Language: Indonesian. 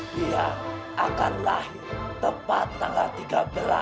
dia akan lahir tepat tanggal tiga belas